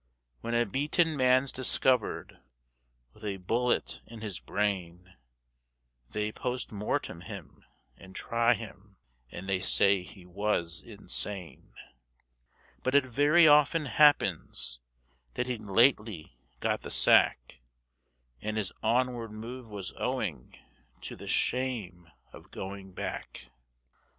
When a beaten man's discovered with a bullet in his brain, They POST MORTEM him, and try him, and they say he was insane; But it very often happens that he'd lately got the sack, And his onward move was owing to the shame of going back.